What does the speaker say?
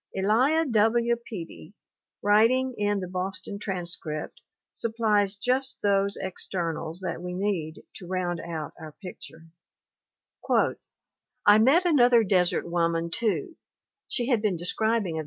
Elia W. Peattie, writing in the Boston Transcript, supplies just those externals that we need to round out our picture : "I met another desert woman, too [she had been describing r.